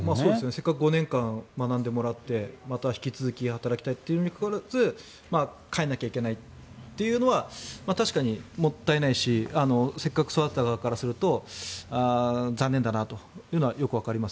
せっかく５年間学んでもらってまた引き続き働きたいにもかかわらず帰らなければいけないのは確かに、もったいないしせっかく育てた側からすると残念だというのはわかります。